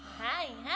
はい。